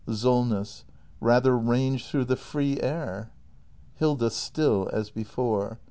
Solness. Rather range through the free air Hilda. [Still as before.